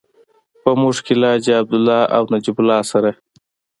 په موټر کې له حاجي عبدالله او نجیب الله سره.